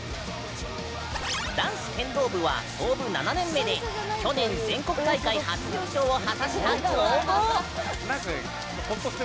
男子剣道部は創部７年目で去年、全国大会初優勝を果たした強豪！